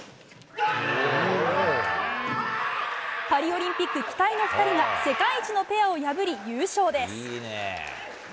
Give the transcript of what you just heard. パリオリンピック期待の２人が世界一のペアを破り優勝です。